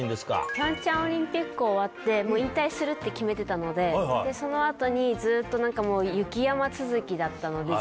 平昌オリンピック終わってもう引退するって決めてたのでその後にずっと何かもう雪山続きだったので。